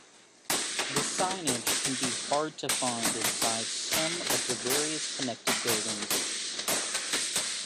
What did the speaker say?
The signage can be hard to find inside some of the various connected buildings.